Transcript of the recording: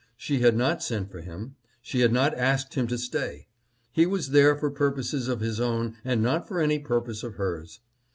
She had not sent for him. She had not asked him to stay. He was there for purposes of his own and not for any purpose of hers.